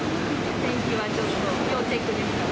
天気はちょっと、要チェックですかね。